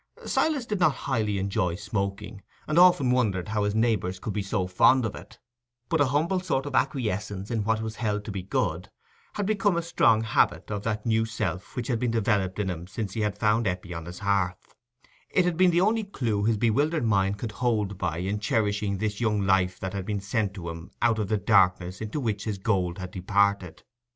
Silas did not highly enjoy smoking, and often wondered how his neighbours could be so fond of it; but a humble sort of acquiescence in what was held to be good, had become a strong habit of that new self which had been developed in him since he had found Eppie on his hearth: it had been the only clew his bewildered mind could hold by in cherishing this young life that had been sent to him out of the darkness into which his gold had departed.